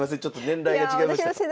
ちょっと年代が違いました。